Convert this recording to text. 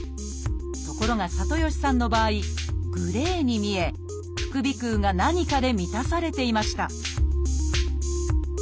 ところが里吉さんの場合グレーに見え副鼻腔が何かで満たされていました